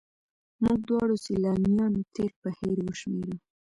موږ دواړو سیلانیانو تېر پر هېر وشمېره.